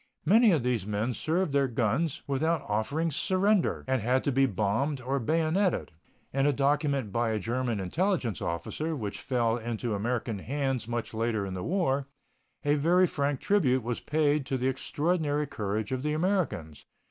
Many of these men served their guns without offering surrender, and had to be bombed or bayoneted. In a document by a German intelligence officer, which fell into American hands much later in the war, a very frank tribute was paid to the extraordinary courage of the Americans.